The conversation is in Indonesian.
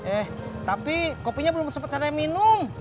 eh tapi kopinya belum sempat saya minum